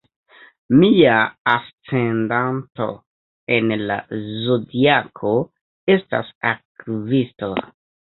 Mia ascendanto en la zodiako estas Akvisto.